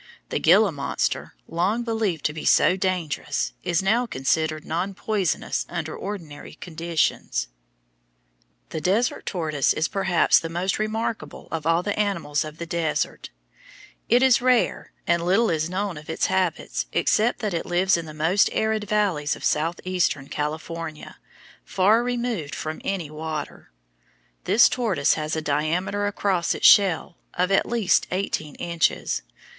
The Gila monster, long believed to be so dangerous, is now considered non poisonous under ordinary conditions. [Illustration: FIG. 82. CRUCIFIXION THORN] The desert tortoise is perhaps the most remarkable of all the animals of the desert. It is rare, and little is known of its habits except that it lives in the most arid valleys of southeastern California, far removed from any water. This tortoise has a diameter across its shell of at least eighteen inches.